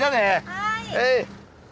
はい。